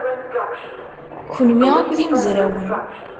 Kenwi akk d imezrawen.